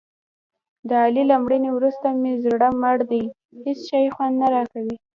د علي له مړینې ورسته مې زړه مړ دی. هېڅ شی خوند نه راکوي.